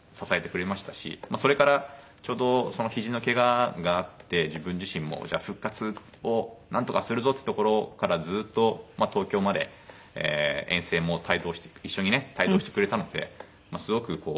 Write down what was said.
それからちょうどそのひじのけががあって自分自身もじゃあ復活をなんとかするぞってところからずっと東京まで遠征も一緒にね帯同してくれたのですごく。